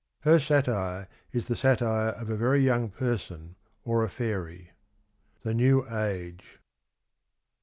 ... Her satire (is) the satire of a very young person or a fairy." — The New Age.